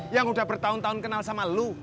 yang udah bertahun tahun kenal sama lo